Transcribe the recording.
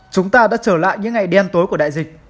chúng ta đã trở lại những ngày đen tối của đại dịch